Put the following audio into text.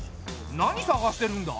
何探してるんだ？